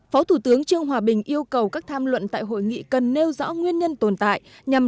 phó thủ tướng trương hòa bình yêu cầu các tham luận tại hội nghị cần nêu rõ nguyên nhân tồn tại nhằm